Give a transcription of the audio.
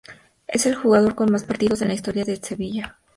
Es el jugador con más partidos en la historia del Sevilla.